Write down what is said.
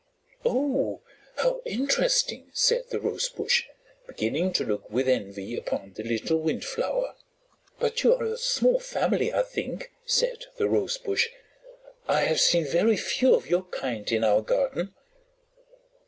"Oh, how interesting!" said the Rosebush, beginning to look with envy upon the little Windflower. "But you are a small family, I think," said the Rosebush. "I have seen very few of your kind in our garden."